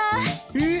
えっ？